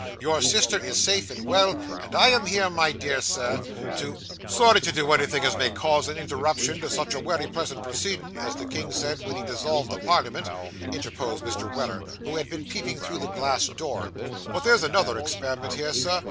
Your sister is safe and well, and I am here, my dear Sir, to ' 'Sorry to do anythin' as may cause an interruption to such wery pleasant proceedin's, as the king said wen he dissolved the parliament,' interposed Mr. Weller, who had been peeping through the glass door; 'but there's another experiment here, sir.